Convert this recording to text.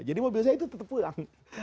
jadi mobil saya itu tetap pulang